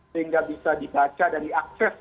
sehingga bisa dibaca dan diakses